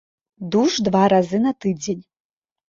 Душ два разы на тыдзень.